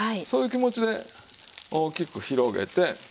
そういう気持ちで大きく広げて。